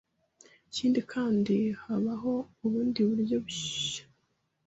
Ikindi kandi, habaho ubundi buryo bushya